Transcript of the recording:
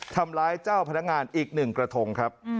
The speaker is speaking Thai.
ทำร้ายเจ้าพนักงานอีกหนึ่งกระทงครับ